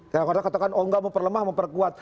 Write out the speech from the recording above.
karena orang orang katakan oh nggak memperlemah memperkuat